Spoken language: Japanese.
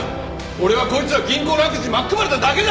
俺はこいつら銀行の悪事に巻き込まれただけだ！